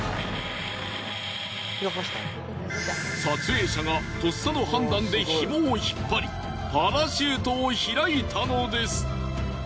撮影者がとっさの判断で紐を引っ張りパラシュートを開いたのです。